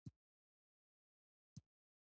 د افغانستان چای ډیر څښل کیږي